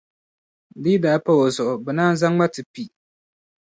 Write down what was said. Di yi di daa pa o zuɣu, bɛ naan zaŋ ma n-ti pi.